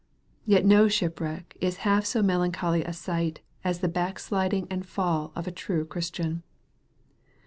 Yet no shipwreck is half so melancholy a sight as the backsliding and fall of a true Christian.